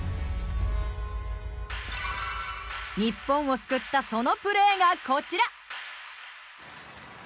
日本を救ったそのプレーがこちら。